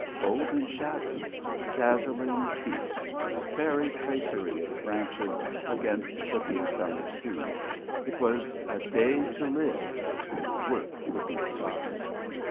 Golden shadows, dazzling peaks, fairy tracery of branches against the blue summer sea! It was a day to Live, and work could be forgotten.